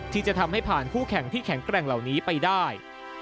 ที่จะทำให้ผ่านคู่แข่งที่แข็งแกร่งเหล่านี้ไปได้